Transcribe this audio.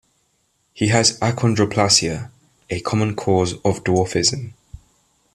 He has achondroplasia, a common cause of dwarfism.